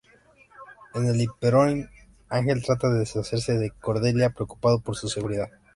En el Hyperion, Ángel trata de deshacerse de Cordelia, preocupado por su seguridad.